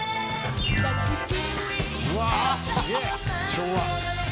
昭和。